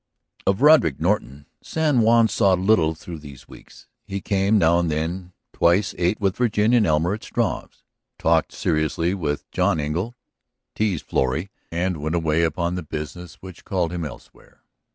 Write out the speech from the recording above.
Of Roderick Norton San Juan saw little through these weeks. He came now and then, twice ate with Virginia and Elmer at Struve's, talked seriously with John Engle, teased Florrie, and went away upon the business which called him elsewhere.